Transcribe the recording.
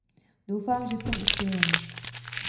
Doufám, že v tom uspějeme.